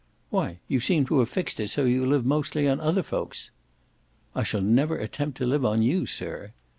"Why, you seem to have fixed it so you live mostly on other folks." "I shall never attempt to live on you, sir!"